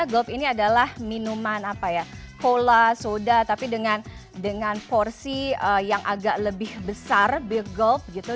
golf ini adalah minuman apa ya cola soda tapi dengan porsi yang agak lebih besar big golf gitu